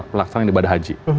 pelaksanaan ibadah haji